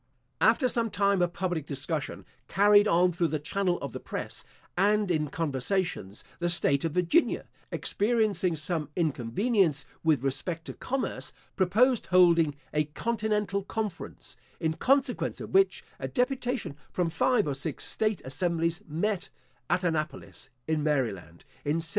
After some time of public discussion, carried on through the channel of the press, and in conversations, the state of Virginia, experiencing some inconvenience with respect to commerce, proposed holding a continental conference; in consequence of which, a deputation from five or six state assemblies met at Annapolis, in Maryland, in 1786.